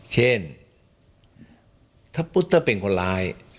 เช่นถ้าพุทธถ้าเป็นคนร้าย